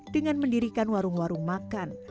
dengan mendirikan warung warung makan